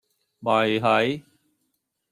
咪係